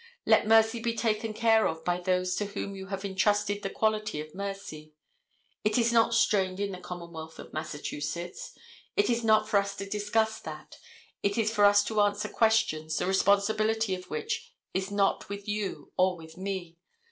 Let mercy be taken care of by those to whom you have intrusted the quality of mercy. It is not strained in the commonwealth of Massachusetts. It is not for us to discuss that. It is for us to answer questions, the responsibility of which is not with you nor with me.